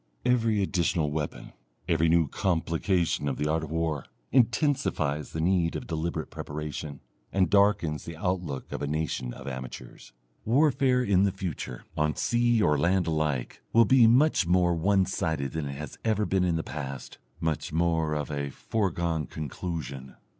Every additional weapon, every new complication of the art of war, intensifies the need of deliberate preparation, and darkens the outlook of a nation of amateurs. Warfare in the future, on sea or land alike, will be much more one sided than it has ever been in the past, much more of a foregone conclusion.